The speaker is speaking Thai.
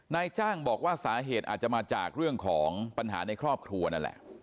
นายจ้างบอกว่าสาเหตุอาจจะมาจากเรื่องของปัญหาในครอบครัวนั่นแหละ